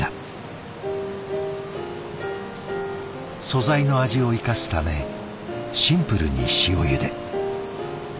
素材の味を生かすためシンプルに塩ゆで。